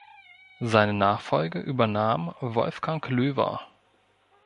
Seine Nachfolge übernahm Wolfgang Löwer.